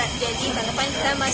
target selanjutnya adalah sea games